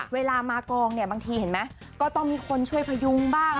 เวลามากองเนี่ยบางทีเห็นไหมก็ต้องมีคนช่วยพยุงบ้าง